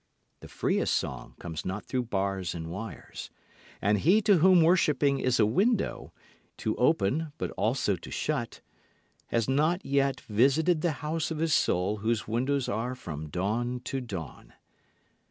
The freest song comes not through bars and wires. And he to whom worshipping is a window, to open but also to shut, has not yet visited the house of his soul whose windows are from dawn to dawn.